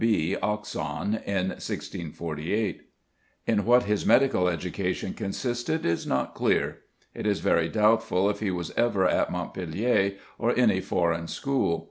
B. Oxon. in 1648. In what his medical education consisted is not clear. It is very doubtful if he was ever at Montpellier or any foreign school.